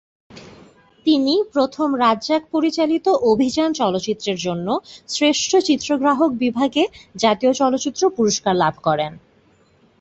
তিনি প্রথম রাজ্জাক পরিচালিত "অভিযান" চলচ্চিত্রের জন্য শ্রেষ্ঠ চিত্রগ্রাহক বিভাগে জাতীয় চলচ্চিত্র পুরস্কার লাভ করেন।